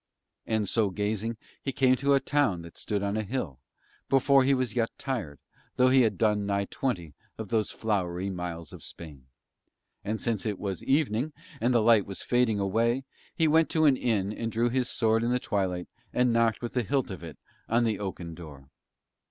And so gazing he came to a town that stood on a hill, before he was yet tired, though he had done nigh twenty of those flowery miles of Spain; and since it was evening and the light was fading away, he went to an inn and drew his sword in the twilight and knocked with the hilt of it on the oaken door.